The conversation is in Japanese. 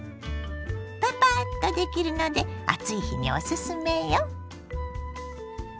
パパッとできるので暑い日におすすめよ。